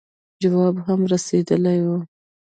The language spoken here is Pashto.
جواب هم رسېدلی وو.